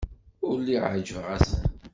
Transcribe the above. Ur lliɣ ɛejbeɣ-asen.